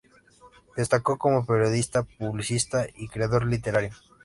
Destacó como periodista, publicista y creador literario.